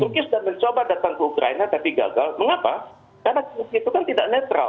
turki sudah mencoba datang ke ukraina tapi gagal mengapa karena virus itu kan tidak netral